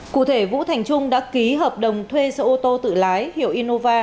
cụ thể vũ thành trung đã ký hợp đồng thuê xe ô tô tự lái hiệu innova